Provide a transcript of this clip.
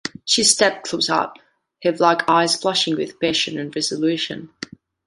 She stepped close up; her black eyes flashing with passion and resolution.